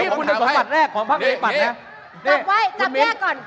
คุณสมบัติแรกของพรรควริยาธิบัตรนะ